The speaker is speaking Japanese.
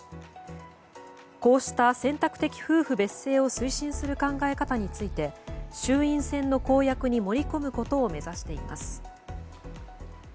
こうした選択的夫婦別姓を推進する考え方について衆院選の公約に盛り込むことにしています。